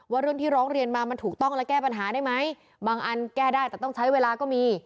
เรื่องที่ร้องเรียนมามันถูกต้องและแก้ปัญหาได้ไหมบางอันแก้ได้แต่ต้องใช้เวลาก็มี